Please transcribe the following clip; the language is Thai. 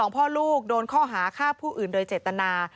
พ่อลูกโดนข้อหาฆ่าผู้อื่นโดยเจตนา